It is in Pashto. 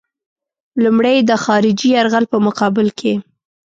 لومړی یې د خارجي یرغل په مقابل کې.